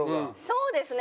そうですね